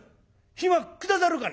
「暇下さるかね？」。